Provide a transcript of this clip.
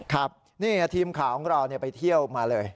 ครับนี่ทีมข่าวของเราไปเที่ยวมาเลย